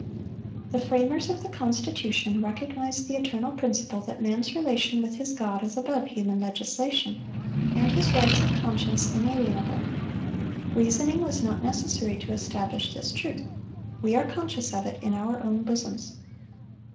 "The framers of the Constitution recognized the eternal principle that man's relation with his God is above human legislation, and his rights of conscience inalienable. Reasoning was not necessary to establish this truth; we are conscious of it in our own bosoms.